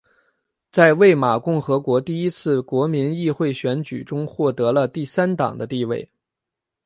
在魏玛共和国第一次国民议会选举中获得了第三党的地位。